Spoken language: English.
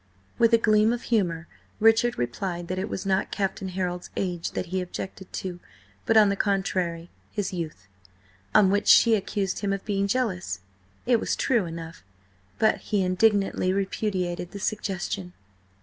With a gleam of humour, Richard replied that it was not Captain Harold's age that he objected to, but, on the contrary, his youth. On which she accused him of being jealous. It was true enough, but he indignantly repudiated the suggestion.